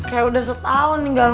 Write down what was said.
iya kayak udah setahun tinggal kasur